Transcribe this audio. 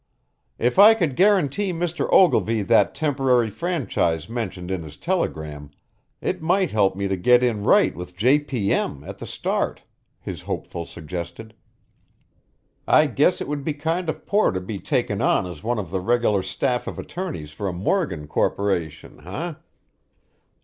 "If I could guarantee Mr. Ogilvy that temporary franchise mentioned in his telegram, it might help me to get in right with J.P.M, at the start," his hopeful suggested. "I guess it would be kind of poor to be taken on as one of the regular staff of attorneys for a Morgan corporation, eh?